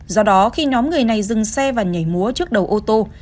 do đó khi nhóm người này dừng xe và nhảy múa trước đầu ô tô